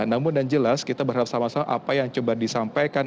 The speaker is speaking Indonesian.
namun dan jelas kita berharap sama sama apa yang coba disampaikan